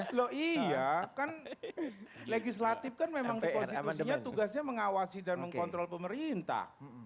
loh iya kan legislatif kan memang di konstitusinya tugasnya mengawasi dan mengkontrol pemerintah